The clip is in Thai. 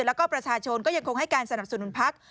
แล้วก็ประชาชนก็ยังคงให้การสนับสนุนพัก